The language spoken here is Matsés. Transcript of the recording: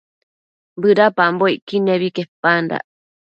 bëdapambocquid nebi quepandac